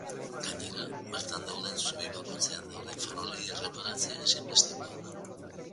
Gainera, bertan dauden zubi bakoitzean dauden farolei erreparatzea ezinbestekoa da.